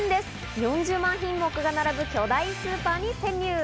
４０万品目が並ぶ巨大スーパーに潜入。